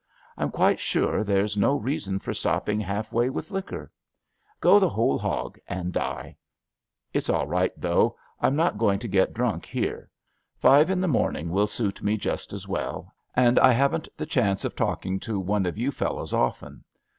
I'm quite sure there's no reason for stopping half way with liquor. Go the whole hog and die. It 's all right, though — ^I 'm not 16 ABAFT THE FUNNEL going to get drunk here. Five in the morning will suit me just as well, and I haven't the chance of talking to one of you fellows often.